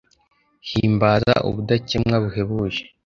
himbaza ubudakemwa buhebuje